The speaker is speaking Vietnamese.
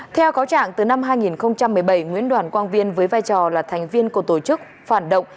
theo cáo trạng từ năm hai nghìn một mươi bảy nguyễn đoàn quang viên với vai trò là thành viên của tổ chức phản động